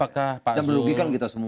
dan merugikan kita semua